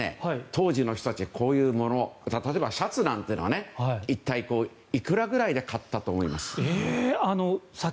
当時の人たちはこういうものを例えばシャツなんて一体いくらくらいで買ったと思いますか？